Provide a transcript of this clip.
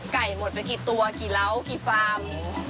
หมดไปกี่ตัวกี่เล้ากี่ฟาร์ม